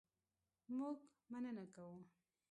مونږ مننه کوو